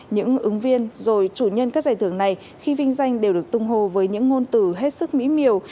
những ứng viên rồi chủ nhân các giải thưởng này khi vinh danh đều được tung hô với những ngôn từ hết sức mỹ miều